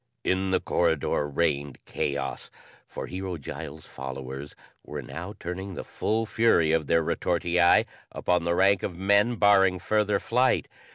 In the corridor reigned chaos, for Hero Giles' followers were now turning the full fury of their retortii upon the rank of men barring further flight.